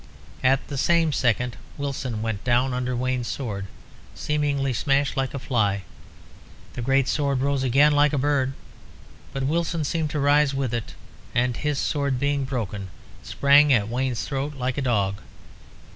At the same second Wilson went down under Wayne's sword, seemingly smashed like a fly. The great sword rose again like a bird, but Wilson seemed to rise with it, and, his sword being broken, sprang at Wayne's throat like a dog.